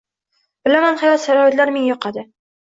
Bilaman, hayot sharoitlari menga yoqadi